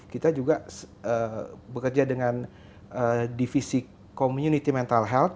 kita juga bekerja dengan divisi community mental health